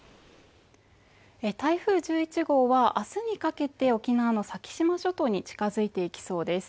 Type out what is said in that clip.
台風１１号はあすにかけて沖縄の先島諸島に近づいていきそうです